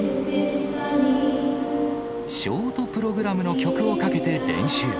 ショートプログラムの曲をかけて練習。